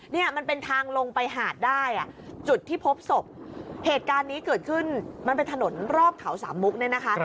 เนี่ยมันเป็นทางลงไปหาดได้อ่ะจุดที่พบศพเหตุการณ์นี้เกิดขึ้นมันเป็นถนนรอบเขาสามมุกเนี่ยนะคะ